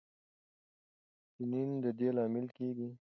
ټینین د دې لامل کېږي.